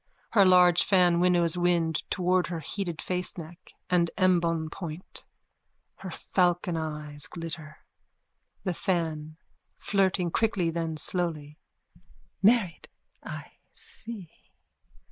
Her large fan winnows wind towards her heated faceneck and embonpoint. Her falcon eyes glitter.)_ THE FAN: (Flirting quickly, then slowly.) Married, I see.